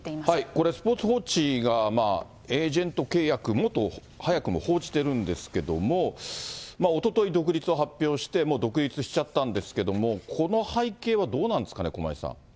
これ、スポーツ報知がエージェント契約もと、早くも報じているんですけれども、おととい独立を発表して、もう独立しちゃったんですけども、この背景はどうなんですかね、駒井さ